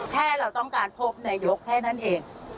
แค่เราต้องการพบนายกแค่นั้นเอง